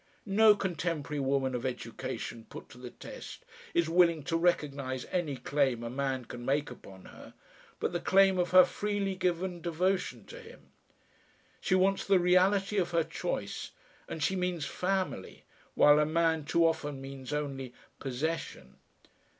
No contemporary woman of education put to the test is willing to recognise any claim a man can make upon her but the claim of her freely given devotion to him. She wants the reality of her choice and she means "family" while a man too often means only possession.